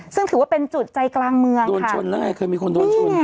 ซึ่งถือว่าเป็นจุดใจกลางเมืองโดนชนแล้วไงเคยมีคนโดนชน